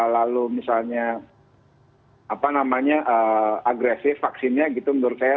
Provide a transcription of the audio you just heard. lalu misalnya agresif vaksinnya gitu menurut saya